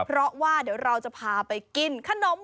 เพราะว่าเดี๋ยวเราจะพาไปกินขนม